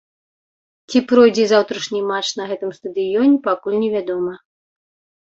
Ці пройдзе заўтрашні матч на гэтым стадыёне, пакуль невядома.